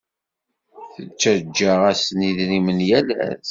Ttaǧǧaɣ-asen idrimen yal ass.